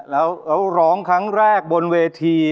แล้วร้องครั้งแรกบนเวที